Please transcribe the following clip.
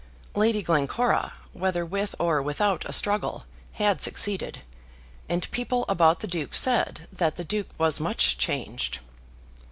Lady Glencora, whether with or without a struggle, had succeeded, and people about the Duke said that the Duke was much changed.